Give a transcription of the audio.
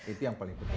itu yang paling penting